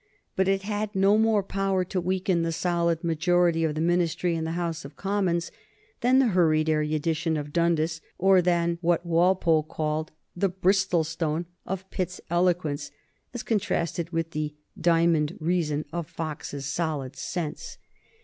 But it had no more power to weaken the solid majority of the Ministry in the House of Commons than the hurried erudition of Dundas, or than what Walpole called the "Bristol stone" of Pitt's eloquence as contrasted with the "diamond reason" of Fox's solid sense.